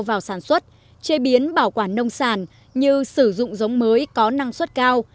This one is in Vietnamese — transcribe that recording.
vào sản xuất chế biến bảo quản nông sản như sử dụng giống mới có năng suất cao